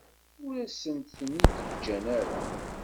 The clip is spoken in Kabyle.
Ur asent-ten-id-ǧǧan ara.